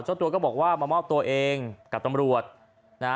เจ้าตัวก็บอกว่ามามอบตัวเองกับตำรวจนะฮะ